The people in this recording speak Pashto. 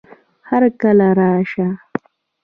هرکله راشه